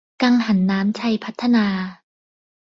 กังหันน้ำชัยพัฒนา